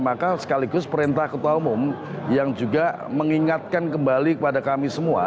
maka sekaligus perintah ketua umum yang juga mengingatkan kembali kepada kami semua